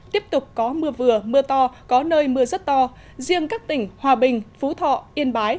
tiếp tục có mưa vừa mưa to có nơi mưa rất to riêng các tỉnh hòa bình phú thọ yên bái